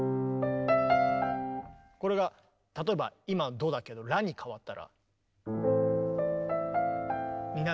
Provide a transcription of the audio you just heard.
これが例えば今はドだけどラに変わったら。